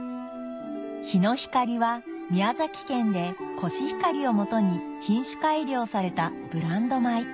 ヒノヒカリは宮崎県でコシヒカリをもとに品種改良されたブランド米